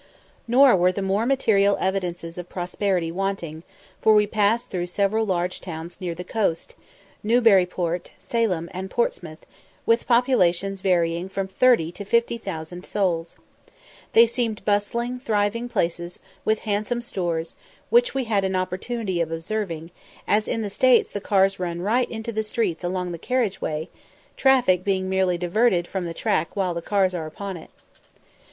Nor were the more material evidences of prosperity wanting, for we passed through several large towns near the coast Newbury Port, Salem, and Portsmouth with populations varying from 30,000 to 50,000 souls. They seemed bustling, thriving places, with handsome stores, which we had an opportunity of observing, as in the States the cars run right into the streets along the carriage way, traffic being merely diverted from the track while the cars are upon it.